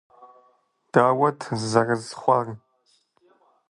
Дауэт зэрызхъуар?